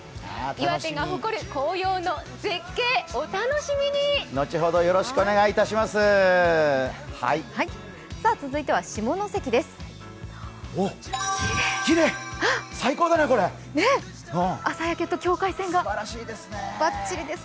岩手が誇る紅葉の絶景、お楽しみに続いては下関からです。